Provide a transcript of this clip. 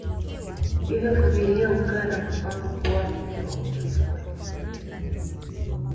Hivyo familia hukaa na kupanga kuoa mke wa kufufua jina